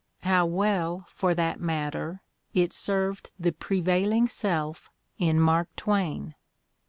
How well, for that matter, it served the prevailing self in Mark Twain